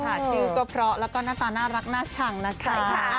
ชื่อก็เพราะแล้วก็หน้าตาน่ารักน่าชังนะคะ